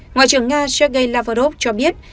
ngoại trưởng nga sergei lavrov cho biết